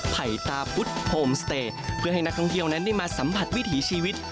ไต่ตาพุทธโฮมสเตย์เพื่อให้นักท่องเที่ยวนั้นได้มาสัมผัสวิถีชีวิต